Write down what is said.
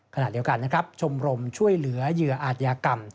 ขณะเดียวกันนะครับชมรมช่วยเหลือเหยื่ออาจยากรรม